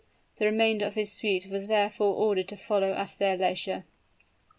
The remainder of his suit were therefore ordered to follow at their leisure.